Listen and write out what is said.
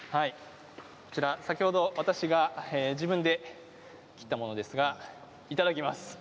先ほど私が自分で切ったものですが、いただきます。